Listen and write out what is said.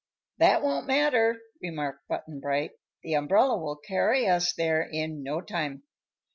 "That won't matter," remarked Button Bright; "the umbrella will carry us there in no time."